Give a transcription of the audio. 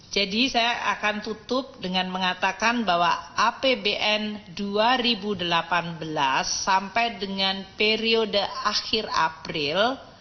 jadi saya akan tutup dengan mengatakan bahwa apbn dua ribu delapan belas sampai dengan periode akhir april